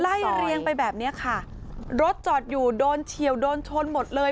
เรียงไปแบบเนี้ยค่ะรถจอดอยู่โดนเฉียวโดนชนหมดเลย